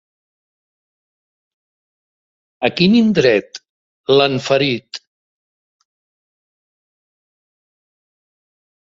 A quin indret l'han ferit?